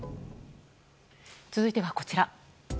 続いては、こちら。